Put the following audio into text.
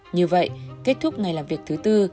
như vậy kết thúc ngày làm việc thứ tư